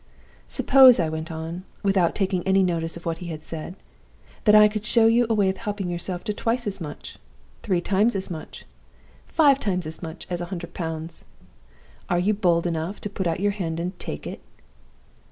"'Suppose,' I went on, without taking any notice of what he had said, 'that I could show you a way of helping yourself to twice as much three times as much five times as much as a hundred pounds, are you bold enough to put out your hand and take it?